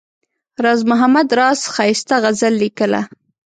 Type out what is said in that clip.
راز محمد راز ښایسته غزل لیکله.